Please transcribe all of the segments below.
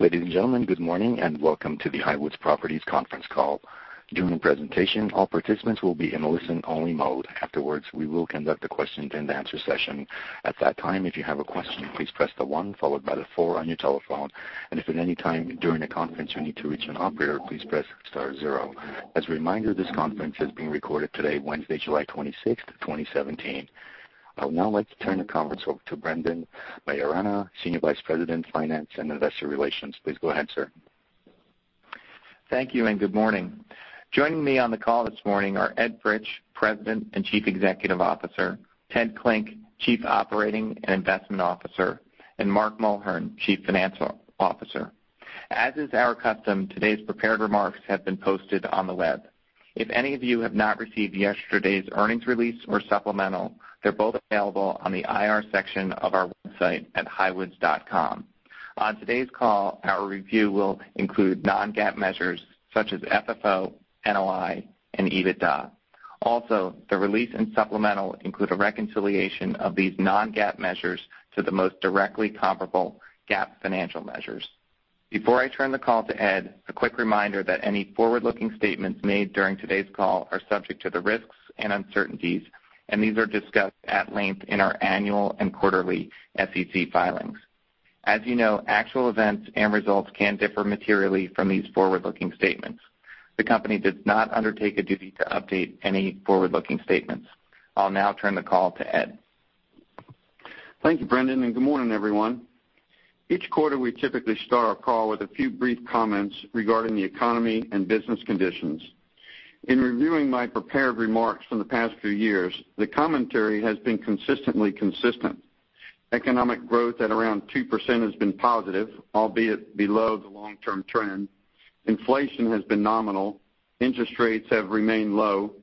Ladies and gentlemen, good morning, and welcome to the Highwoods Properties conference call. During the presentation, all participants will be in listen-only mode. Afterwards, we will conduct a question-and-answer session. At that time, if you have a question, please press the one followed by the four on your telephone. If at any time during the conference you need to reach an operator, please press star zero. As a reminder, this conference is being recorded today, Wednesday, July 26th, 2017. I would now like to turn the conference over to Brendan Maiorana, Senior Vice President, Finance and Investor Relations. Please go ahead, sir. Thank you, and good morning. Joining me on the call this morning are Ed Fritsch, President and Chief Executive Officer, Ted Klinck, Chief Operating and Investment Officer, and Mark Mulhern, Chief Financial Officer. As is our custom, today's prepared remarks have been posted on the web. If any of you have not received yesterday's earnings release or supplemental, they are both available on the IR section of our website at highwoods.com. On today's call, our review will include non-GAAP measures such as FFO, NOI, and EBITDA. Also, the release and supplemental include a reconciliation of these non-GAAP measures to the most directly comparable GAAP financial measures. Before I turn the call to Ed, a quick reminder that any forward-looking statements made during today's call are subject to the risks and uncertainties, and these are discussed at length in our annual and quarterly SEC filings. As you know, actual events and results can differ materially from these forward-looking statements. The company does not undertake a duty to update any forward-looking statements. I'll now turn the call to Ed. Thank you, Brendan, good morning, everyone. Each quarter, we typically start our call with a few brief comments regarding the economy and business conditions. In reviewing my prepared remarks from the past few years, the commentary has been consistently consistent. Economic growth at around 2% has been positive, albeit below the long-term trend. Inflation has been nominal, interest rates have remained low,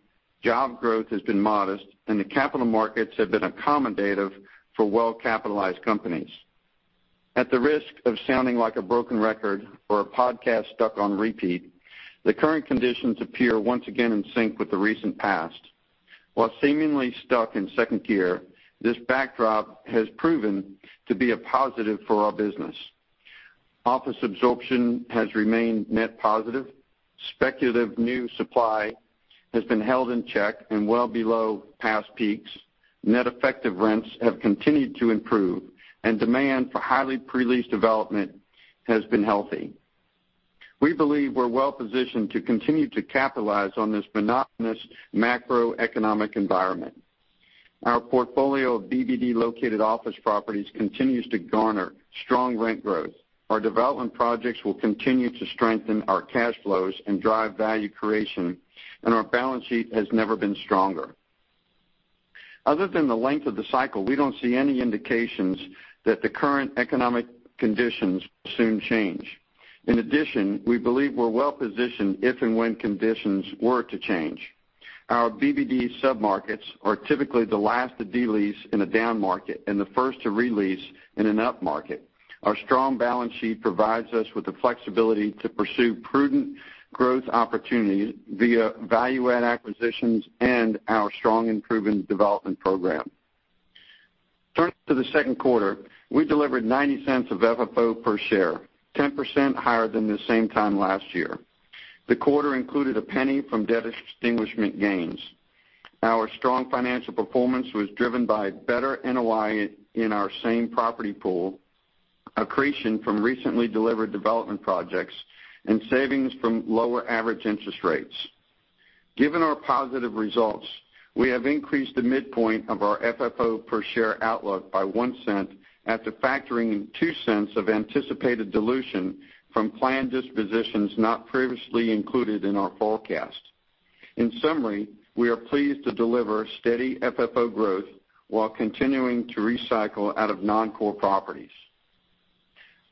job growth has been modest, and the capital markets have been accommodative for well-capitalized companies. At the risk of sounding like a broken record or a podcast stuck on repeat, the current conditions appear once again in sync with the recent past. While seemingly stuck in second gear, this backdrop has proven to be a positive for our business. Office absorption has remained net positive, speculative new supply has been held in check and well below past peaks, net effective rents have continued to improve, and demand for highly pre-leased development has been healthy. We believe we're well-positioned to continue to capitalize on this monotonous macroeconomic environment. Our portfolio of BBD-located office properties continues to garner strong rent growth. Our development projects will continue to strengthen our cash flows and drive value creation, and our balance sheet has never been stronger. Other than the length of the cycle, we don't see any indications that the current economic conditions will soon change. We believe we're well-positioned if and when conditions were to change. Our BBD submarkets are typically the last to de-lease in a down market and the first to re-lease in an up market. Our strong balance sheet provides us with the flexibility to pursue prudent growth opportunities via value-add acquisitions and our strong and proven development program. Turning to the second quarter, we delivered $0.90 of FFO per share, 10% higher than this same time last year. The quarter included $0.01 from debt extinguishment gains. Our strong financial performance was driven by better NOI in our same-property pool, accretion from recently delivered development projects, and savings from lower average interest rates. Given our positive results, we have increased the midpoint of our FFO-per-share outlook by $0.01 after factoring in $0.02 of anticipated dilution from planned dispositions not previously included in our forecast. We are pleased to deliver steady FFO growth while continuing to recycle out of non-core properties.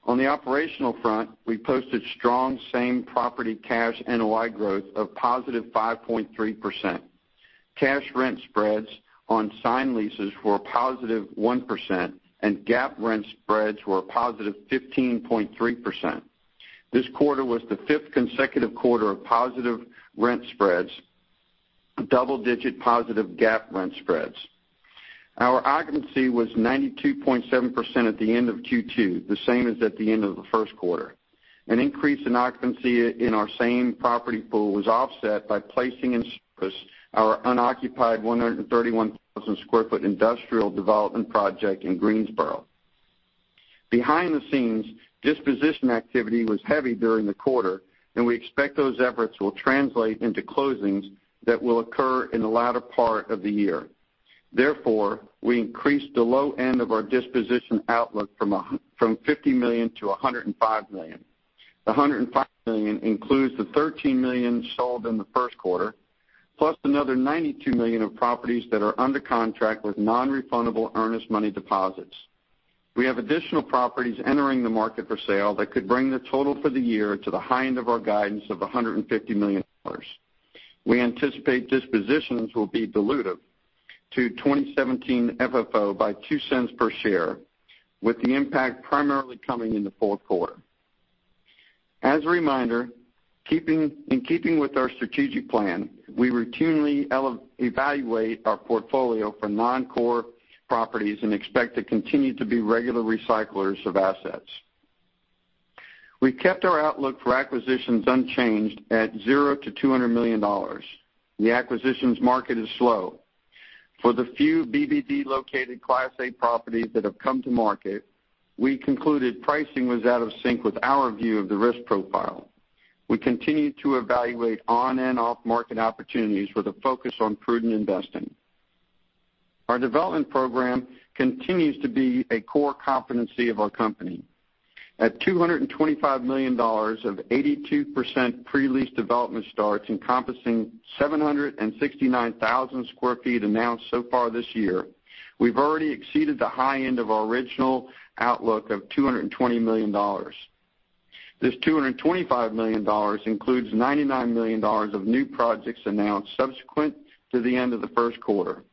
We posted strong same-property cash NOI growth of positive 5.3%. Cash rent spreads on signed leases were a positive 1%, and GAAP rent spreads were a positive 15.3%. This quarter was the 5th consecutive quarter of positive rent spreads, double-digit positive GAAP rent spreads. Our occupancy was 92.7% at the end of Q2, the same as at the end of the first quarter. An increase in occupancy in our same-property pool was offset by placing in service our unoccupied 131,000-square-foot industrial development project in Greensboro. Disposition activity was heavy during the quarter, and we expect those efforts will translate into closings that will occur in the latter part of the year. We increased the low end of our disposition outlook from $50 million to $105 million. The $105 million includes the $13 million sold in the first quarter, plus another $92 million of properties that are under contract with non-refundable earnest money deposits. We have additional properties entering the market for sale that could bring the total for the year to the high end of our guidance of $150 million. We anticipate dispositions will be dilutive to 2017 FFO by $0.02 per share, with the impact primarily coming in the fourth quarter. In keeping with our strategic plan, we routinely evaluate our portfolio for non-core properties and expect to continue to be regular recyclers of assets. We kept our outlook for acquisitions unchanged at $0 to $200 million. The acquisitions market is slow. For the few BBD-located Class A properties that have come to market, we concluded pricing was out of sync with our view of the risk profile. We continue to evaluate on and off-market opportunities with a focus on prudent investing. Our development program continues to be a core competency of our company. At $225 million of 82% pre-leased development starts encompassing 769,000 square feet announced so far this year, we've already exceeded the high end of our original outlook of $220 million. This $225 million includes $99 million of new projects announced subsequent to the end of the first quarter.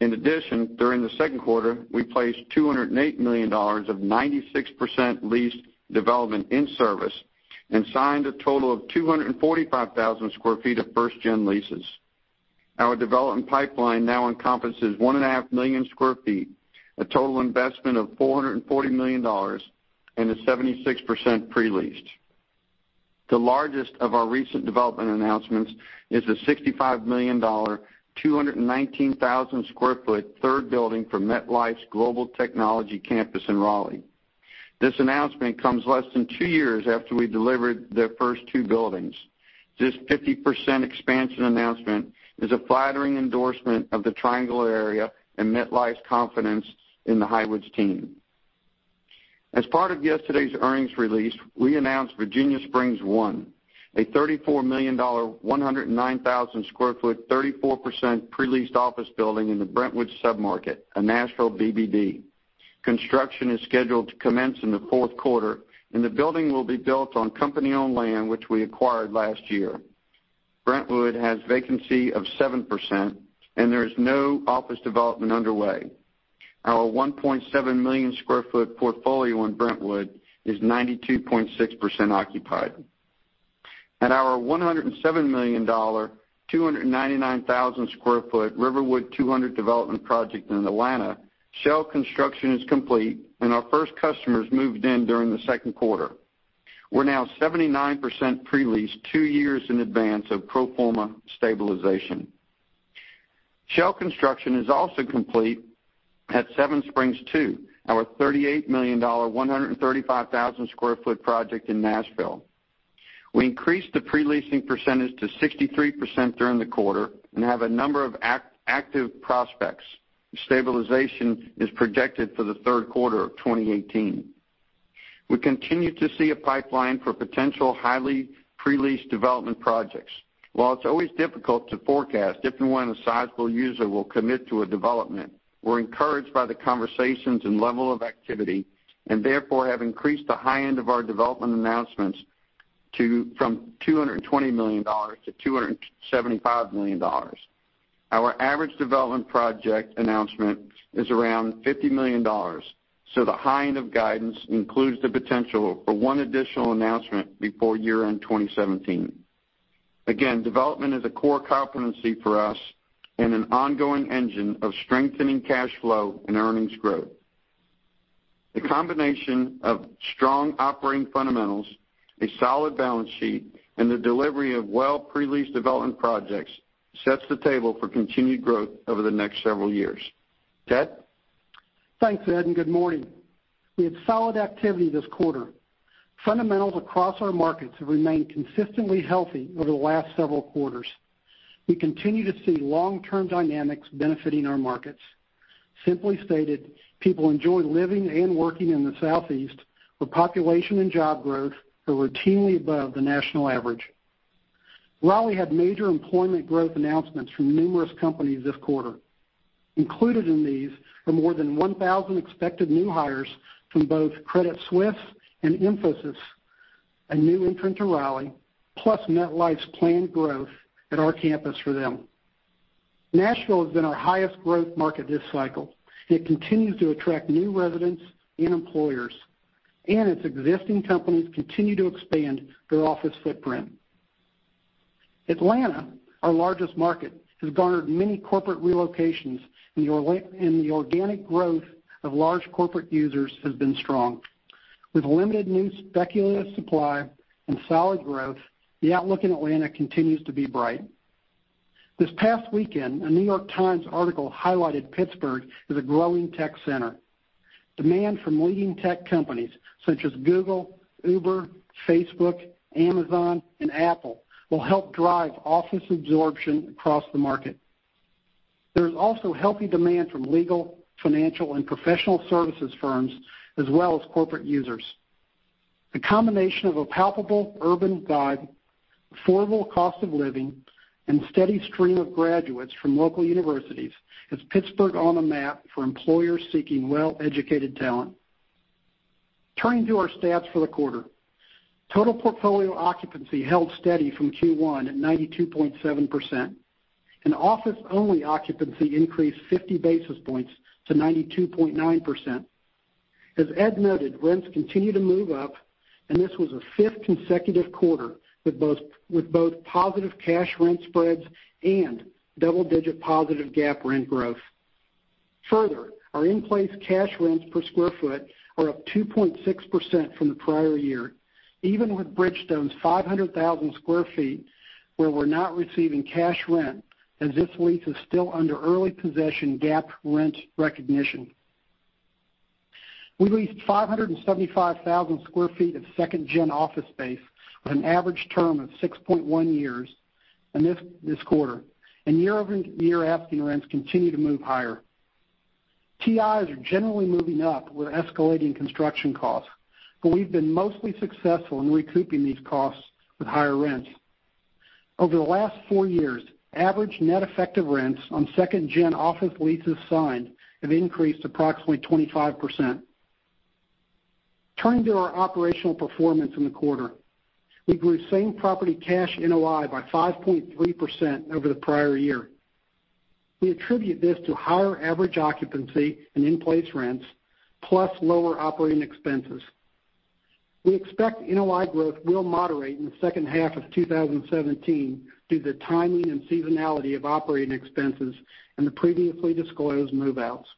During the second quarter, we placed $208 million of 96% leased development in service and signed a total of 245,000 square feet of first gen leases. Our development pipeline now encompasses one and a half million square feet, a total investment of $440 million, and is 76% pre-leased. The largest of our recent development announcements is a $65 million, 219,000 square foot, third building for MetLife Global Technology Campus in Raleigh. This announcement comes less than two years after we delivered their first two buildings. This 50% expansion announcement is a flattering endorsement of the Triangle area and MetLife's confidence in the Highwoods team. As part of yesterday's earnings release, we announced Virginia Springs I, a $34 million, 109,000 square foot, 34% pre-leased office building in the Brentwood submarket, a Nashville BBD. Construction is scheduled to commence in the fourth quarter, and the building will be built on company-owned land, which we acquired last year. Brentwood has vacancy of 7%, and there is no office development underway. Our 1.7 million square foot portfolio in Brentwood is 92.6% occupied. At our $107 million, 299,000 square foot Riverwood 200 development project in Atlanta, shell construction is complete, and our first customers moved in during the second quarter. We're now 79% pre-leased, two years in advance of pro forma stabilization. Shell construction is also complete at Seven Springs II, our $38 million, 135,000 square foot project in Nashville. We increased the pre-leasing percentage to 63% during the quarter and have a number of active prospects. Stabilization is projected for the third quarter of 2018. We continue to see a pipeline for potential highly pre-leased development projects. While it's always difficult to forecast if and when a sizable user will commit to a development, we're encouraged by the conversations and level of activity, and therefore have increased the high end of our development announcements from $220 million to $275 million. Our average development project announcement is around $50 million, so the high end of guidance includes the potential for one additional announcement before year-end 2017. Again, development is a core competency for us and an ongoing engine of strengthening cash flow and earnings growth. The combination of strong operating fundamentals, a solid balance sheet, and the delivery of well pre-leased development projects sets the table for continued growth over the next several years. Ted? Thanks, Ed, and good morning. We had solid activity this quarter. Fundamentals across our markets have remained consistently healthy over the last several quarters. We continue to see long-term dynamics benefiting our markets. Simply stated, people enjoy living and working in the Southeast, where population and job growth are routinely above the national average. Raleigh had major employment growth announcements from numerous companies this quarter. Included in these are more than 1,000 expected new hires from both Credit Suisse and Infosys, a new entrant to Raleigh, plus MetLife's planned growth at our campus for them. Nashville has been our highest growth market this cycle. It continues to attract new residents and employers, and its existing companies continue to expand their office footprint. Atlanta, our largest market, has garnered many corporate relocations, and the organic growth of large corporate users has been strong. With limited new speculative supply and solid growth, the outlook in Atlanta continues to be bright. This past weekend, a New York Times article highlighted Pittsburgh as a growing tech center. Demand from leading tech companies such as Google, Uber, Facebook, Amazon, and Apple will help drive office absorption across the market. There is also healthy demand from legal, financial, and professional services firms, as well as corporate users. The combination of a palpable urban vibe, affordable cost of living, and steady stream of graduates from local universities, has Pittsburgh on the map for employers seeking well-educated talent. Turning to our stats for the quarter. Total portfolio occupancy held steady from Q1 at 92.7%. Office-only occupancy increased 50 basis points to 92.9%. As Ed noted, rents continue to move up, and this was the fifth consecutive quarter with both positive cash rent spreads and double-digit positive GAAP rent growth. Further, our in-place cash rents per sq ft are up 2.6% from the prior year, even with Bridgestone's 500,000 sq ft, where we're not receiving cash rent, as this lease is still under early possession GAAP rent recognition. We leased 575,000 sq ft of second-gen office space with an average term of 6.1 years in this quarter. Year-over-year asking rents continue to move higher. TIs are generally moving up with escalating construction costs, but we've been mostly successful in recouping these costs with higher rents. Over the last four years, average net effective rents on second-gen office leases signed have increased approximately 25%. Turning to our operational performance in the quarter. We grew same-property cash NOI by 5.3% over the prior year. We attribute this to higher average occupancy and in-place rents, plus lower operating expenses. We expect NOI growth will moderate in the second half of 2017 due to the timing and seasonality of operating expenses and the previously disclosed move-outs.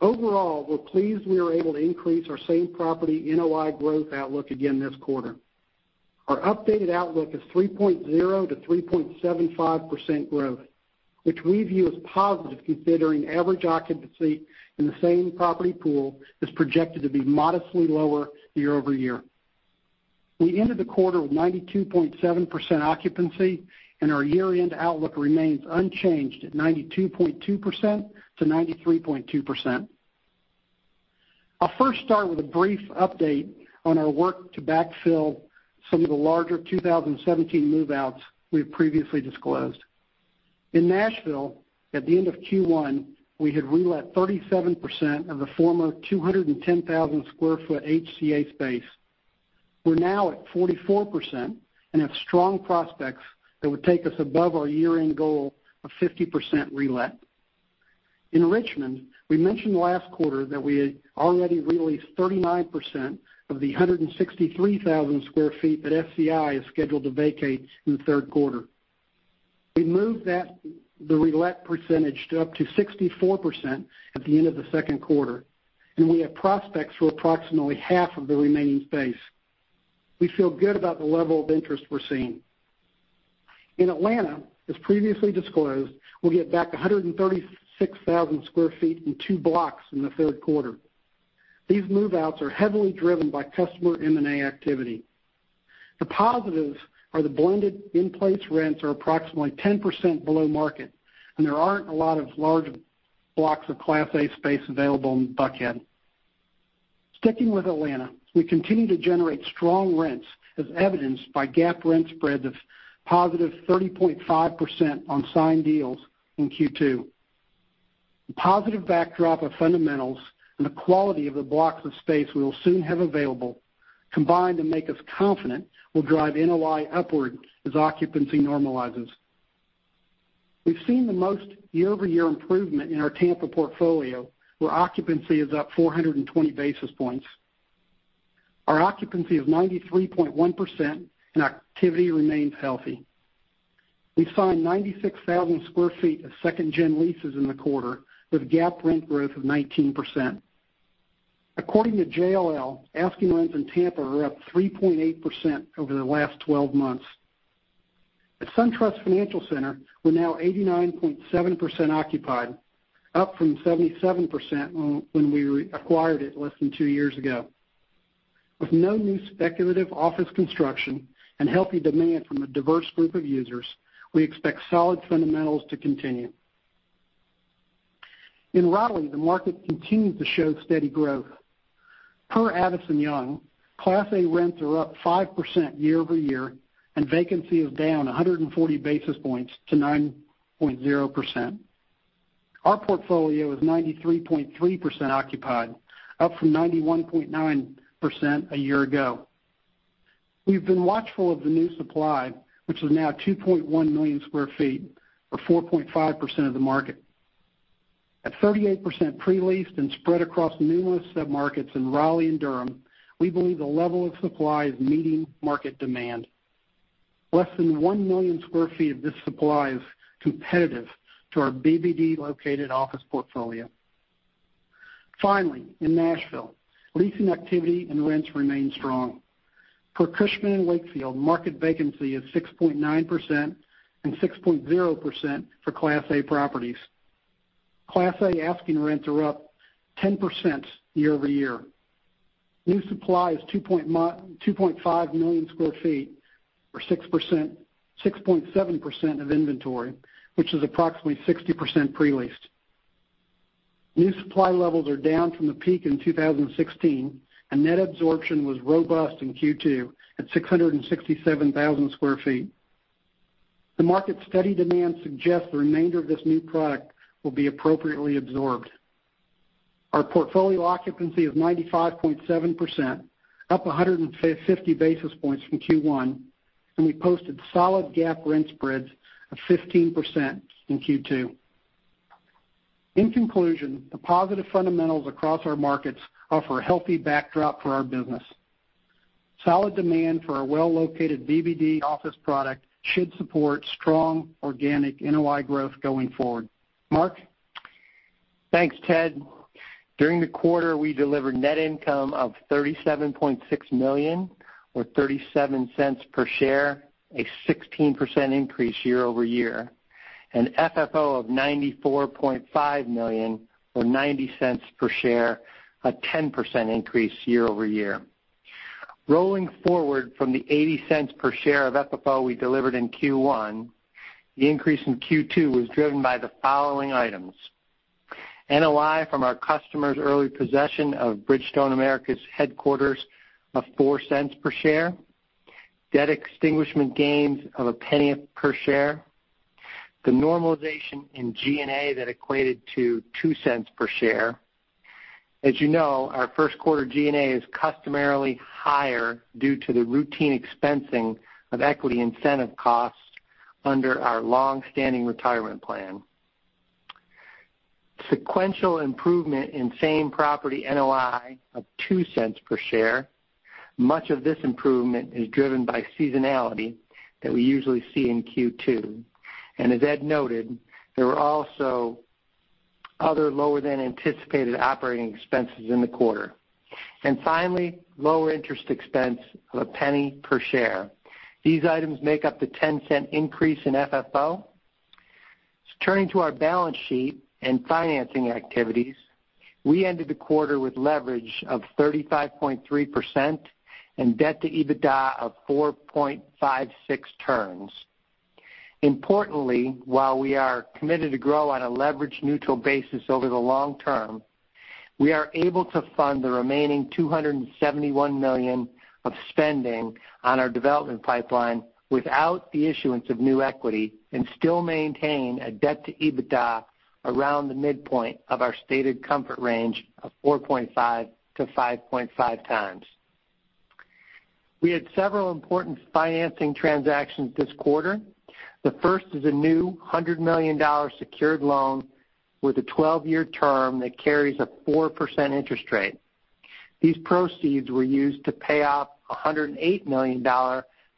Overall, we're pleased we are able to increase our same-property NOI growth outlook again this quarter. Our updated outlook is 3.0%-3.75% growth, which we view as positive considering average occupancy in the same-property pool is projected to be modestly lower year-over-year. We ended the quarter with 92.7% occupancy, and our year-end outlook remains unchanged at 92.2%-93.2%. I'll first start with a brief update on our work to backfill some of the larger 2017 move-outs we have previously disclosed. In Nashville, at the end of Q1, we had relet 37% of the former 210,000 sq ft HCA space. We're now at 44% and have strong prospects that would take us above our year-end goal of 50% relet. In Richmond, we mentioned last quarter that we had already re-leased 39% of the 163,000 square feet that SCI is scheduled to vacate in the third quarter. We moved the relet percentage up to 64% at the end of the second quarter, and we have prospects for approximately half of the remaining space. We feel good about the level of interest we're seeing. In Atlanta, as previously disclosed, we'll get back 136,000 sq ft in two blocks in the third quarter. These move-outs are heavily driven by customer M&A activity. The positives are the blended in-place rents are approximately 10% below market, and there aren't a lot of large blocks of Class A space available in Buckhead. Sticking with Atlanta, we continue to generate strong rents as evidenced by GAAP rent spreads of positive 30.5% on signed deals in Q2. The positive backdrop of fundamentals and the quality of the blocks of space we will soon have available combine to make us confident we'll drive NOI upward as occupancy normalizes. We've seen the most year-over-year improvement in our Tampa portfolio, where occupancy is up 420 basis points. Our occupancy is 93.1%, and activity remains healthy. We signed 96,000 sq ft of second-gen leases in the quarter with GAAP rent growth of 19%. According to JLL, asking rents in Tampa are up 3.8% over the last 12 months. At SunTrust Financial Centre, we're now 89.7% occupied, up from 77% when we acquired it less than two years ago. With no new speculative office construction and healthy demand from a diverse group of users, we expect solid fundamentals to continue. In Raleigh, the market continues to show steady growth. Per Avison Young, Class A rents are up 5% year-over-year, and vacancy is down 140 basis points to 9.0%. Our portfolio is 93.3% occupied, up from 91.9% a year ago. We've been watchful of the new supply, which is now 2.1 million sq ft or 4.5% of the market. At 38% pre-leased and spread across numerous submarkets in Raleigh and Durham, we believe the level of supply is meeting market demand. Less than 1 million sq ft of this supply is competitive to our BBD-located office portfolio. Finally, in Nashville, leasing activity and rents remain strong. Per Cushman & Wakefield, market vacancy is 6.9% and 6.0% for Class A properties. Class A asking rents are up 10% year-over-year. New supply is 2.5 million sq ft or 6.7% of inventory, which is approximately 60% pre-leased. New supply levels are down from the peak in 2016, and net absorption was robust in Q2 at 667,000 sq ft. The market's steady demand suggests the remainder of this new product will be appropriately absorbed. Our portfolio occupancy is 95.7%, up 150 basis points from Q1, and we posted solid GAAP rent spreads of 15% in Q2. In conclusion, the positive fundamentals across our markets offer a healthy backdrop for our business. Solid demand for our well-located BBD office product should support strong organic NOI growth going forward. Mark? Thanks, Ted. During the quarter, we delivered net income of $37.6 million, or $0.37 per share, a 16% increase year-over-year. FFO of $94.5 million or $0.90 per share, a 10% increase year-over-year. Rolling forward from the $0.80 per share of FFO we delivered in Q1, the increase in Q2 was driven by the following items. NOI from our customers' early possession of Bridgestone Americas headquarters of $0.04 per share, debt extinguishment gains of $0.01 per share, the normalization in G&A that equated to $0.02 per share. As you know, our first quarter G&A is customarily higher due to the routine expensing of equity incentive costs under our long-standing retirement plan. Sequential improvement in same property NOI of $0.02 per share. Much of this improvement is driven by seasonality that we usually see in Q2. As Ed noted, there were also other lower than anticipated operating expenses in the quarter. Finally, lower interest expense of $0.01 per share. These items make up the $0.10 increase in FFO. Turning to our balance sheet and financing activities, we ended the quarter with leverage of 35.3% and debt to EBITDA of 4.56 turns. Importantly, while we are committed to grow on a leverage-neutral basis over the long term, we are able to fund the remaining $271 million of spending on our development pipeline without the issuance of new equity and still maintain a debt to EBITDA around the midpoint of our stated comfort range of 4.5-5.5 times. We had several important financing transactions this quarter. The first is a new $100 million secured loan with a 12-year term that carries a 4% interest rate. These proceeds were used to pay off $108 million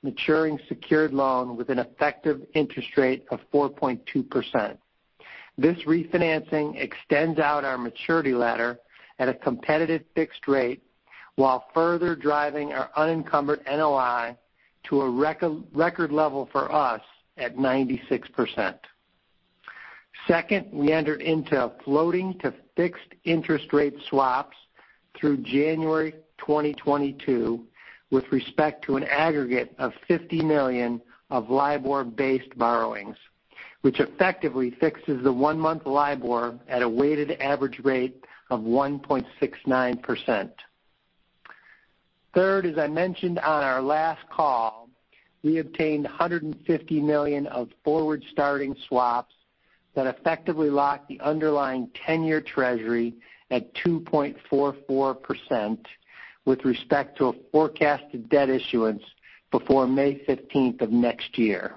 maturing secured loan with an effective interest rate of 4.2%. This refinancing extends out our maturity ladder at a competitive fixed rate while further driving our unencumbered NOI to a record level for us at 96%. Second, we entered into floating to fixed interest rate swaps through January 2022 with respect to an aggregate of $50 million of LIBOR-based borrowings, which effectively fixes the one-month LIBOR at a weighted average rate of 1.69%. Third, as I mentioned on our last call, we obtained $150 million of forward-starting swaps that effectively lock the underlying 10-year Treasury at 2.44% with respect to a forecasted debt issuance before May 15th of next year.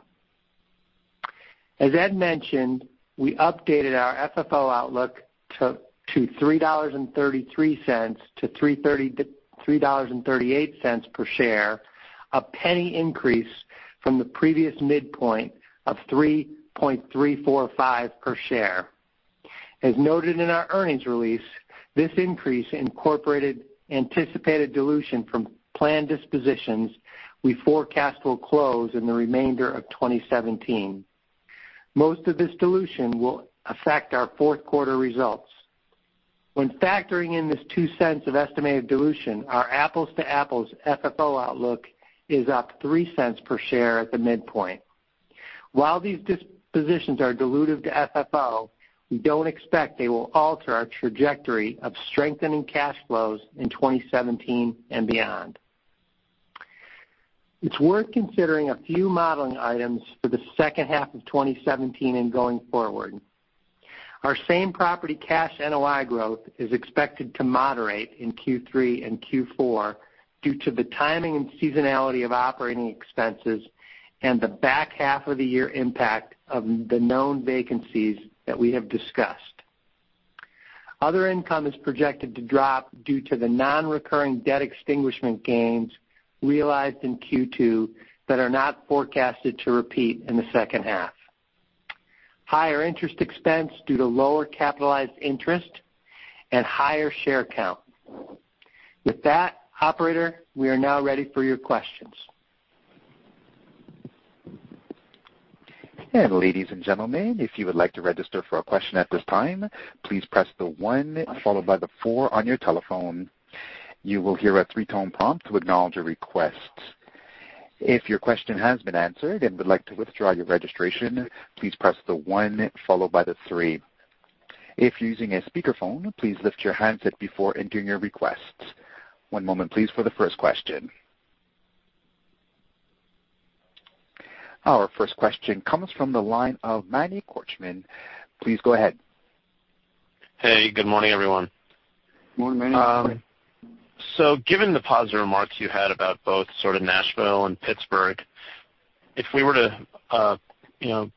As Ed mentioned, we updated our FFO outlook to $3.33 to $3.38 per share, a $0.01 increase from the previous midpoint of $3.345 per share. As noted in our earnings release, this increase incorporated anticipated dilution from planned dispositions we forecast will close in the remainder of 2017. Most of this dilution will affect our fourth quarter results. When factoring in this $0.02 of estimated dilution, our apples-to-apples FFO outlook is up $0.03 per share at the midpoint. While these dispositions are dilutive to FFO, we don't expect they will alter our trajectory of strengthening cash flows in 2017 and beyond. It's worth considering a few modeling items for the second half of 2017 and going forward. Our same property cash NOI growth is expected to moderate in Q3 and Q4 due to the timing and seasonality of operating expenses and the back half of the year impact of the known vacancies that we have discussed. Other income is projected to drop due to the non-recurring debt extinguishment gains realized in Q2 that are not forecasted to repeat in the second half. Higher interest expense due to lower capitalized interest and higher share count. With that, operator, we are now ready for your questions. Ladies and gentlemen, if you would like to register for a question at this time, please press the one followed by the four on your telephone. You will hear a three-tone prompt to acknowledge your request. If your question has been answered and would like to withdraw your registration, please press the one followed by the three. If you are using a speakerphone, please lift your handset before entering your request. One moment please for the first question. Our first question comes from the line of Manny Korchman. Please go ahead. Hey, good morning, everyone. Morning, Manny. Given the positive remarks you had about both sort of Nashville and Pittsburgh, if we were to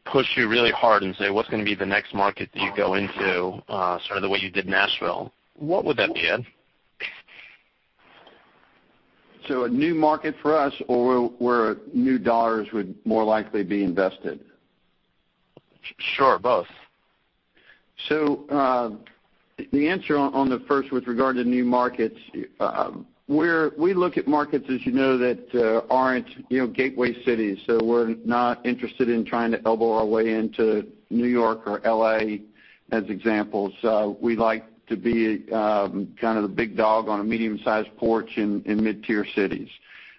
push you really hard and say, what's going to be the next market that you go into sort of the way you did Nashville, what would that be, Ed? A new market for us or where new dollars would more likely be invested? Sure, both. The answer on the first with regard to new markets, we look at markets as you know, that aren't gateway cities. We're not interested in trying to elbow our way into New York or L.A. as examples. We like to be kind of the big dog on a medium-sized porch in mid-tier cities.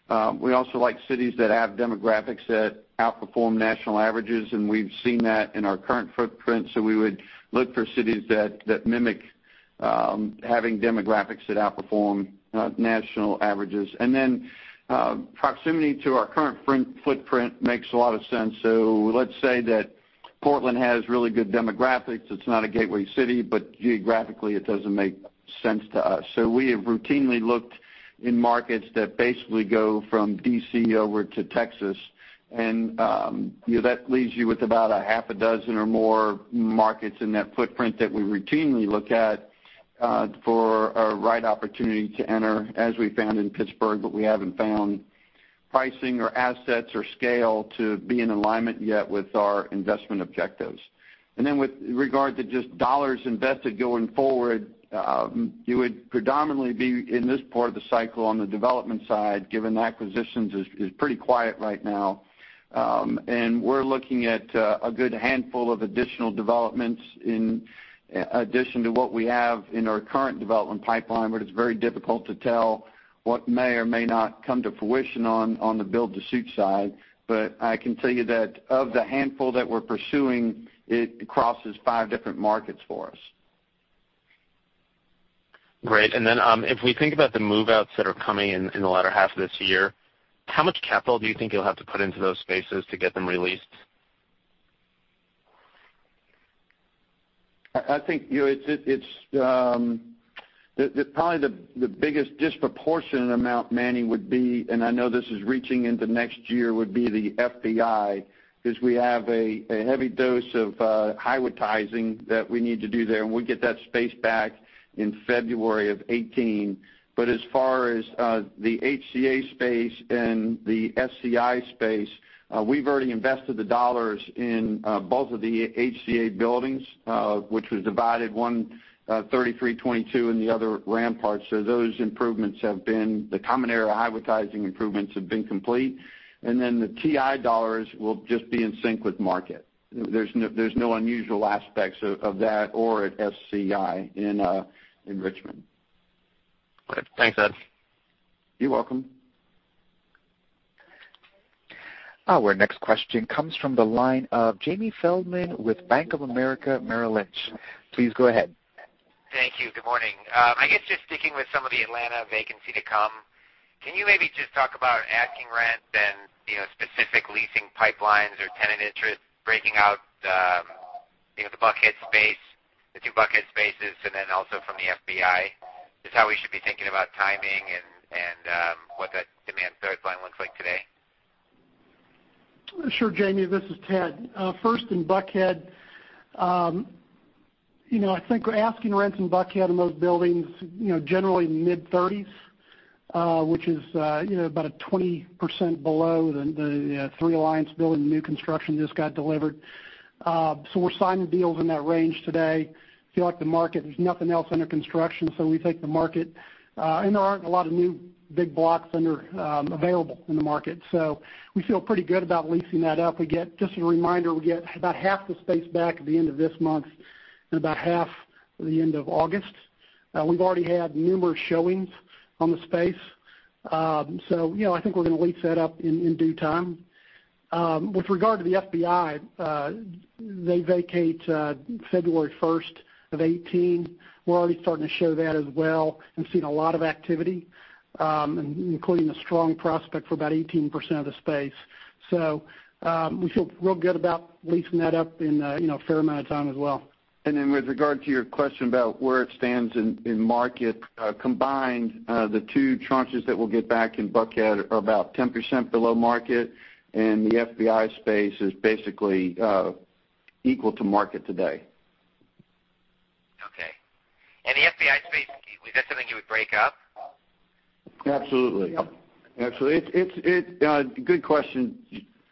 We also like cities that have demographics that outperform national averages, and we've seen that in our current footprint. We would look for cities that mimic having demographics that outperform national averages. Then, proximity to our current footprint makes a lot of sense. Let's say that Portland has really good demographics. It's not a gateway city, but geographically it doesn't make sense to us. We have routinely looked in markets that basically go from D.C. over to Texas. That leaves you with about a half a dozen or more markets in that footprint that we routinely look at for a right opportunity to enter, as we found in Pittsburgh. We haven't found pricing or assets or scale to be in alignment yet with our investment objectives. With regard to just dollars invested going forward, you would predominantly be in this part of the cycle on the development side, given acquisitions is pretty quiet right now. We're looking at a good handful of additional developments in addition to what we have in our current development pipeline, but it's very difficult to tell what may or may not come to fruition on the build to suit side. I can tell you that of the handful that we're pursuing, it crosses five different markets for us. Great. If we think about the move-outs that are coming in in the latter half of this year, how much capital do you think you'll have to put into those spaces to get them released? I think probably the biggest disproportionate amount, Manny, would be, and I know this is reaching into next year, would be the FBI, because we have a heavy dose of Highwood TI-sing that we need to do there, and we get that space back in February of 2018. As far as the HCA space and the SCI space, we've already invested the dollars in both of the HCA buildings, which was divided, 13322 and the other Rampart. Those improvements have been the common area Highwood TI-sing improvements have been complete. The TI dollars will just be in sync with market. There's no unusual aspects of that or at SCI in Richmond. Great. Thanks, Ed. You're welcome. Our next question comes from the line of Jamie Feldman with Bank of America Merrill Lynch. Please go ahead. Thank you. Good morning. I guess just sticking with some of the Atlanta vacancy to come, can you maybe just talk about asking rents and specific leasing pipelines or tenant interest breaking out the Buckhead space, the two Buckhead spaces, and then also from the FBI? Just how we should be thinking about timing and what that demand pipeline looks like today. Sure, Jamie, this is Ted. First in Buckhead, I think our asking rents in Buckhead in those buildings, generally mid-$30s, which is about 20% below the Three Alliance building, new construction, just got delivered. We're signing deals in that range today. Feel like the market, there's nothing else under construction, we take the market. There aren't a lot of new big blocks available in the market. We feel pretty good about leasing that up. Just a reminder, we get about half the space back at the end of this month and about half at the end of August. We've already had numerous showings on the space. I think we're going to lease that up in due time. With regard to the FBI, they vacate February 1st, 2018. We're already starting to show that as well and seen a lot of activity, including a strong prospect for about 18% of the space. We feel real good about leasing that up in a fair amount of time as well. With regard to your question about where it stands in market, combined the two tranches that we'll get back in Buckhead are about 10% below market, and the FBI space is basically equal to market today. Okay. The FBI space, was that something you would break up? Absolutely. Yep. Actually, it's a good question,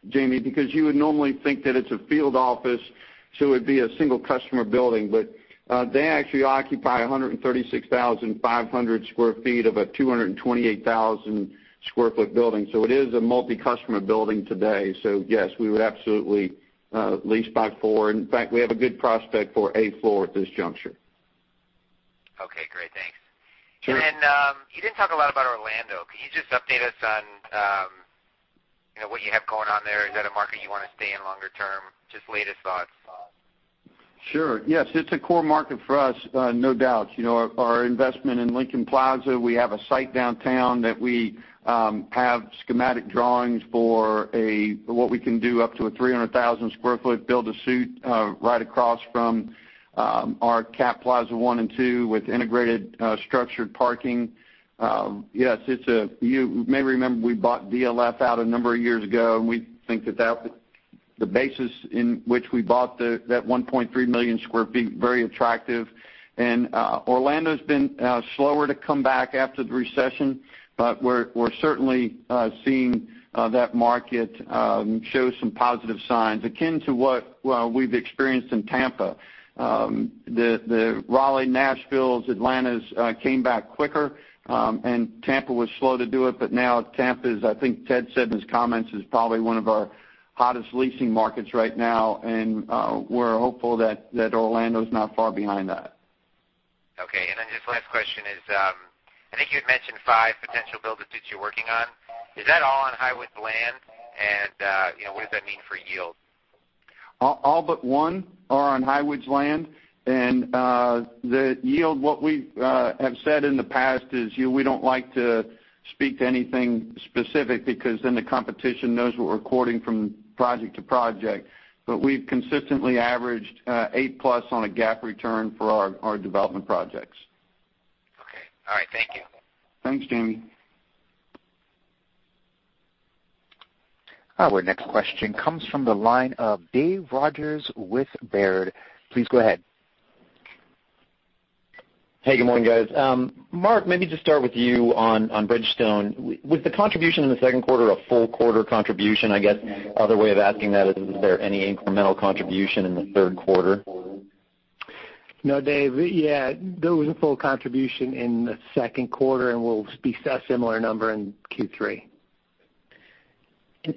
Jamie, because you would normally think that it's a field office, so it'd be a single customer building, but they actually occupy 136,500 sq ft of a 228,000 sq ft building. It is a multi-customer building today. Yes, we would absolutely lease by floor. In fact, we have a good prospect for a floor at this juncture. Okay, great. Thanks. Sure. You didn't talk a lot about Orlando. Could you just update us on what you have going on there? Is that a market you want to stay in longer term? Just latest thoughts. Sure. Yes, it's a core market for us, no doubt. Our investment in Lincoln Plaza, we have a site downtown that we have schematic drawings for what we can do up to a 300,000 sq ft build to suit, right across from our CAP Plaza one and two with integrated structured parking. You may remember we bought DLF out a number of years ago. We think that the basis in which we bought that 1.3 million sq ft, very attractive. Orlando's been slower to come back after the recession, but we're certainly seeing that market show some positive signs, akin to what we've experienced in Tampa. The Raleigh, Nashvilles, Atlantas, came back quicker. Tampa was slow to do it. Now Tampa is, I think Ted said in his comments, is probably one of our hottest leasing markets right now. We're hopeful that Orlando's not far behind that. Okay. Then just last question is, I think you had mentioned five potential build to suits you're working on. Is that all on Highwoods land? What does that mean for yield? All but one are on Highwoods land, the yield, what we have said in the past is, we don't like to speak to anything specific because then the competition knows what we're quoting from project to project. We've consistently averaged eight-plus on a GAAP return for our development projects. Okay. All right. Thank you. Thanks, Jamie. Our next question comes from the line of David Rodgers with Baird. Please go ahead. Hey, good morning, guys. Mark, maybe just start with you on Bridgestone. Was the contribution in the second quarter a full quarter contribution, I guess, other way of asking that is there any incremental contribution in the third quarter? No, Dave. Yeah, there was a full contribution in the second quarter, and we'll be seeing a similar number in Q3.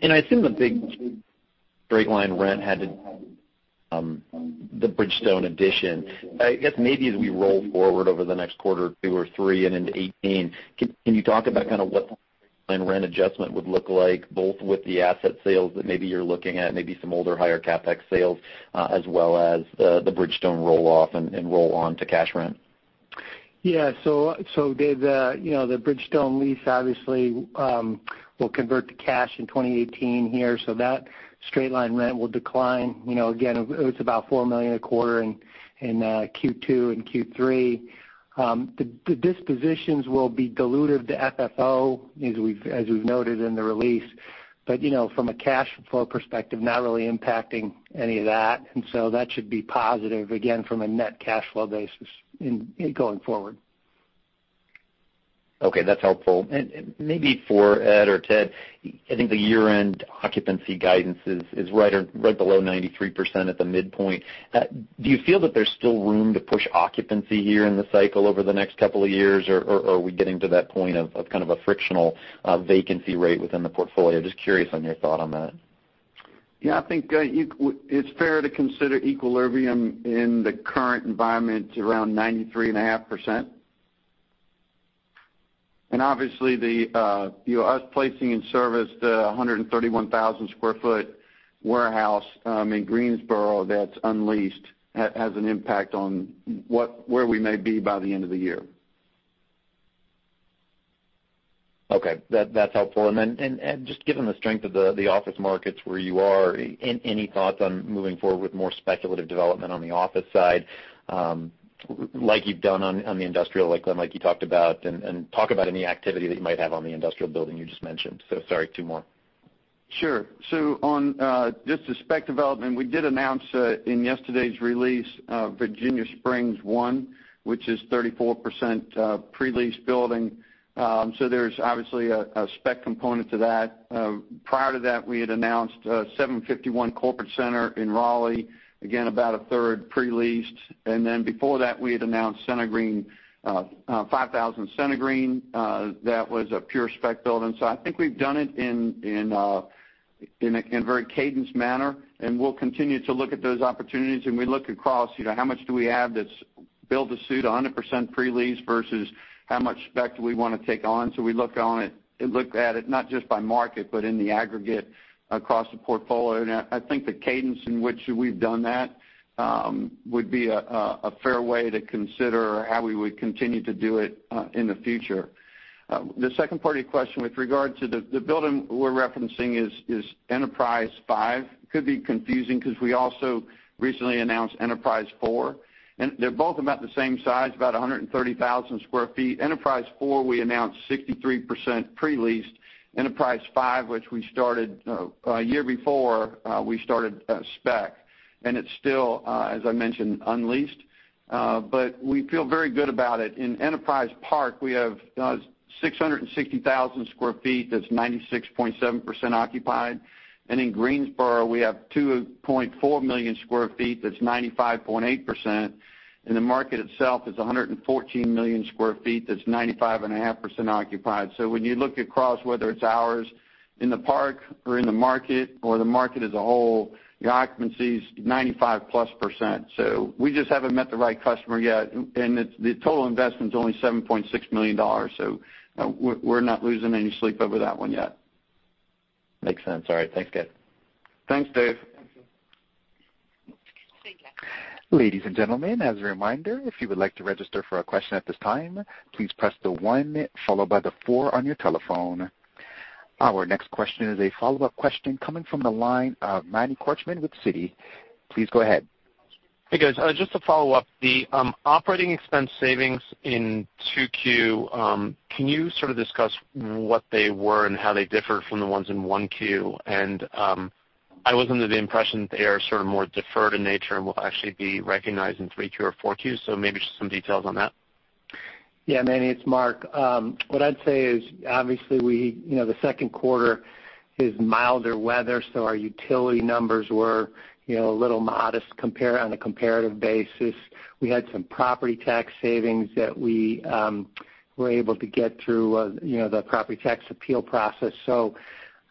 I assume the big straight line rent the Bridgestone addition. I guess maybe as we roll forward over the next quarter, two or three and into 2018, can you talk about what the land rent adjustment would look like, both with the asset sales that maybe you're looking at, maybe some older, higher CapEx sales, as well as the Bridgestone roll off and roll on to cash rent? Dave, the Bridgestone lease obviously, will convert to cash in 2018 here, that straight line rent will decline. Again, it's about $4 million a quarter in Q2 and Q3. The dispositions will be dilutive to FFO as we've noted in the release. From a cash flow perspective, not really impacting any of that should be positive, again, from a net cash flow basis going forward. Okay, that's helpful. Maybe for Ed or Ted, I think the year-end occupancy guidance is right below 93% at the midpoint. Do you feel that there's still room to push occupancy here in the cycle over the next couple of years? Or are we getting to that point of kind of a frictional vacancy rate within the portfolio? Just curious on your thought on that. Yeah, I think it's fair to consider equilibrium in the current environment around 93.5%. Obviously, us placing in service the 131,000 sq ft warehouse in Greensboro that's unleased, has an impact on where we may be by the end of the year. Okay. That's helpful. Then, Ed, just given the strength of the office markets where you are, any thoughts on moving forward with more speculative development on the office side, like you've done on the industrial, like GlenLake, like you talked about, talk about any activity that you might have on the industrial building you just mentioned. Sorry, two more. On just the spec development, we did announce in yesterday's release, Virginia Springs I, which is 34% pre-leased building. There's obviously a spec component to that. Prior to that, we had announced 751 Corporate Center in Raleigh, again, about a third pre-leased. Before that, we had announced 5000 CentreGreen, that was a pure spec build. I think we've done it in a very cadenced manner, and we'll continue to look at those opportunities, and we look across, how much do we have that's build to suit, 100% pre-lease versus how much spec do we want to take on. We look at it not just by market, but in the aggregate across the portfolio. I think the cadence in which we've done that, would be a fair way to consider how we would continue to do it in the future. The second part of your question with regard to the building we're referencing is Enterprise 5. It could be confusing because we also recently announced Enterprise 4, and they're both about the same size, about 130,000 sq ft. Enterprise 4, we announced 63% pre-leased. Enterprise 5, which we started a year before, we started spec, and it's still, as I mentioned, unleased. We feel very good about it. In Enterprise Park, we have 660,000 sq ft that's 96.7% occupied. In Greensboro, we have 2.4 million sq ft, that's 95.8%, and the market itself is 114 million sq ft, that's 95.5% occupied. When you look across, whether it's ours in the park or in the market or the market as a whole, the occupancy is 95-plus %. We just haven't met the right customer yet, and the total investment's only $7.6 million. We're not losing any sleep over that one yet. Makes sense. All right. Thanks, guys. Thanks, Dave. Ladies and gentlemen, as a reminder, if you would like to register for a question at this time, please press the one followed by the four on your telephone. Our next question is a follow-up question coming from the line of Manny Korchman with Citi. Please go ahead. Hey, guys. Just to follow up, the operating expense savings in 2Q, can you sort of discuss what they were and how they differ from the ones in 1Q? I was under the impression that they are sort of more deferred in nature and will actually be recognized in 3Q or 4Q, so maybe just some details on that. Yeah, Manny, it's Mark. What I'd say is, obviously, the second quarter is milder weather, so our utility numbers were a little modest on a comparative basis. We had some property tax savings that we were able to get through the property tax appeal process.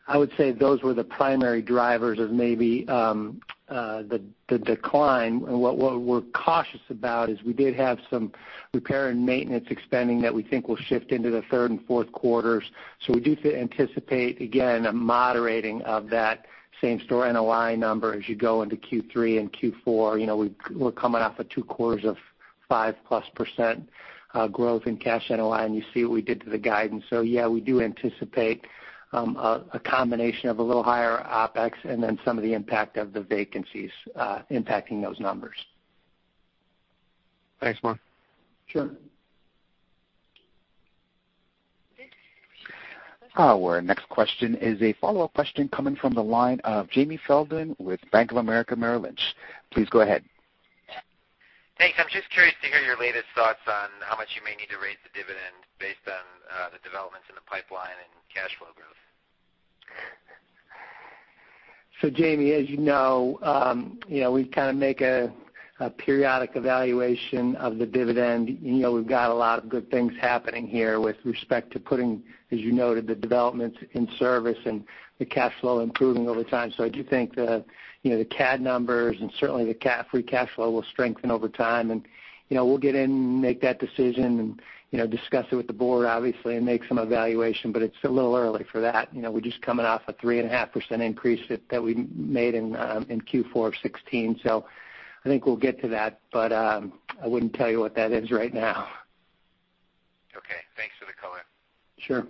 I would say those were the primary drivers of maybe the decline. What we're cautious about is we did have some repair and maintenance expending that we think will shift into the third and fourth quarters. We do anticipate, again, a moderating of that same-store NOI number as you go into Q3 and Q4. We're coming off of two quarters of five-plus percent growth in cash NOI. You see what we did to the guidance. Yeah, we do anticipate a combination of a little higher OpEx and then some of the impact of the vacancies impacting those numbers. Thanks, Mark. Sure. Our next question is a follow-up question coming from the line of Jamie Feldman with Bank of America Merrill Lynch. Please go ahead. Thanks. I'm just curious to hear your latest thoughts on how much you may need to raise the dividend based on the developments in the pipeline and cash flow growth. Jamie, as you know, we kind of make a periodic evaluation of the dividend. We've got a lot of good things happening here with respect to putting, as you noted, the developments in service and the cash flow improving over time. I do think the CAD numbers and certainly the free cash flow will strengthen over time, and we'll get in and make that decision and discuss it with the board, obviously, and make some evaluation, it's a little early for that. We're just coming off a 3.5% increase that we made in Q4 of 2016. I think we'll get to that, I wouldn't tell you what that is right now. Okay. Thanks for the color. Sure.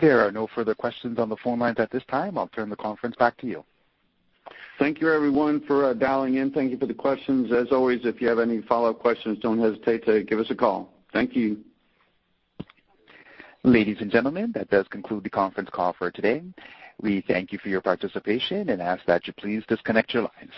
There are no further questions on the phone lines at this time. I'll turn the conference back to you. Thank you, everyone, for dialing in. Thank you for the questions. As always, if you have any follow-up questions, don't hesitate to give us a call. Thank you. Ladies and gentlemen, that does conclude the conference call for today. We thank you for your participation and ask that you please disconnect your lines.